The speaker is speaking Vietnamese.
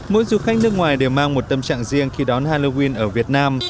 mỗi du khách nước ngoài đều mang một tâm trạng riêng khi đón halloween ở việt nam